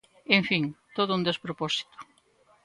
En fin, todo un despropósito.